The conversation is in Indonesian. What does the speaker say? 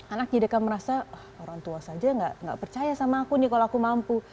anak jadi akan merasa orang tua saja nggak percaya sama aku nih kalau aku mampu